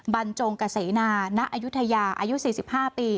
บรรจงกะเสนาณอายุทยาอายุ๔๕ปี